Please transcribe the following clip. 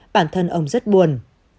bản thân ông rất buồn